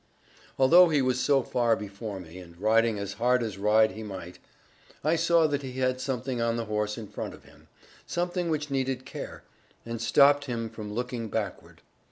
Although he was so far before me, and riding as hard as ride he might, I saw that he had something on the horse in front of him; something which needed care, and stopped him from looking backward.